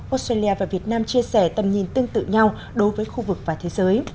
australia và việt nam chia sẻ tầm nhìn tương tự nhau đối với khu vực và thế giới